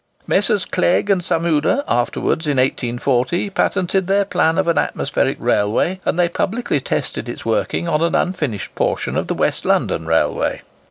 Messrs. Clegg and Samuda afterwards, in 1840, patented their plan of an atmospheric railway; and they publicly tested its working on an unfinished portion of the West London Railway.